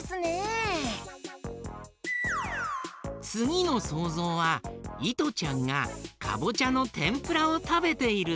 つぎのそうぞうはいとちゃんがかぼちゃのてんぷらをたべているところだよ。